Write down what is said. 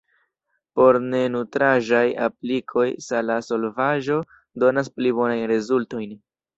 Por ne-nutraĵaj aplikoj sala solvaĵo donas pli bonajn rezultojn.